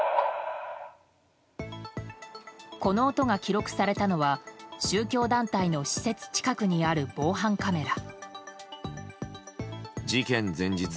この音が記録されたのは宗教団体の施設近くにある防犯カメラ。